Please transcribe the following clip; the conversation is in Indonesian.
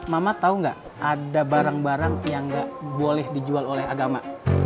mama tau gak ada barang barang yang gak boleh dijual oleh agama